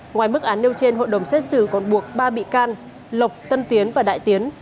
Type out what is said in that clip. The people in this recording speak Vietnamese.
ngoài mức án nêu trên hội đồng xét xử còn buộc ba bị can lộc tân tiến và đại tiến